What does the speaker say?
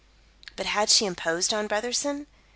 But had she imposed on Brotherson?